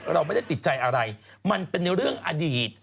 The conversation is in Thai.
เราไม่ได้ติดใจอะไรมันเป็นเรื่องอดีต